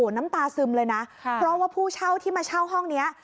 น้ำตาซึมเลยนะเพราะว่าผู้เช่าที่มาเช่าห้องนี้